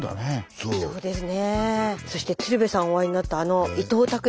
そうですね。